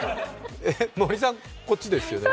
森さん、こっちですよね？